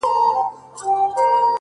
• چي د وگړو څه يې ټولي گناه كډه كړې ـ